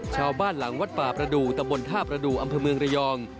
ชาวบ้านหลังวัดป่าประดูตำบลท่าประดูกอำเภอเมืองระยอง